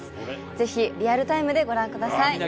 ぜひリアルタイムでご覧ください